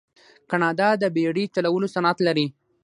کاناډا د بیړۍ چلولو صنعت لري.